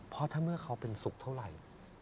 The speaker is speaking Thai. เพราะถ้าเมื่อเขาเป็นสุขเท่าไหร่